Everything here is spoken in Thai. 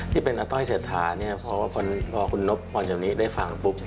ที่เป็นอัต้อยเศรษฐาเพราะว่าพอคุณนบวันจากนี้ได้ฟังปุ๊บ